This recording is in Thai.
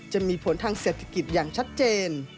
จะมีผลทางเศรษฐกิจอย่างชัดเจน